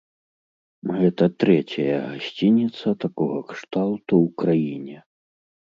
Гэта трэцяя гасцініца такога кшталту ў краіне.